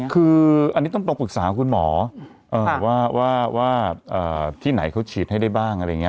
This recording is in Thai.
คืออันนี้ต้องปรึกษาคุณหมอว่าที่ไหนเขาฉีดให้ได้บ้างอะไรอย่างนี้